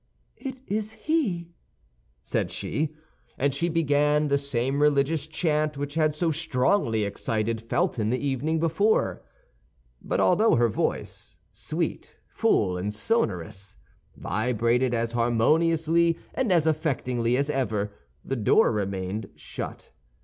"It is he," said she. And she began the same religious chant which had so strongly excited Felton the evening before. But although her voice—sweet, full, and sonorous—vibrated as harmoniously and as affectingly as ever, the door remained shut.